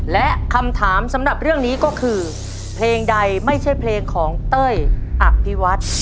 และคำถามสำหรับเรื่องนี้ก็คือเพลงใดไม่ใช่เพลงของเต้ยอภิวัฒน์